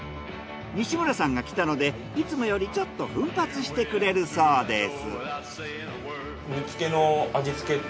西村さんが来たのでいつもよりちょっと奮発してくれるそうです。